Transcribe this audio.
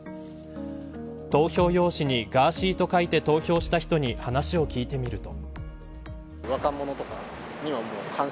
投票用紙にガーシーと書いて投票した人に話を聞いてみると。